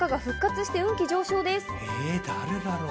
誰だろう？